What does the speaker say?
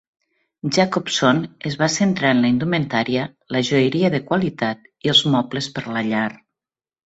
Jacobson es va centrar en la indumentària, la joieria de qualitat i els mobles per a la llar.